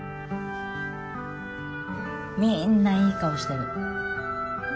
みんないい顔してる。